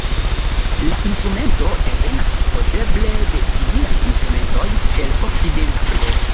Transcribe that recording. La instrumento devenas supozeble de similaj instrumentoj el Okcidentafriko.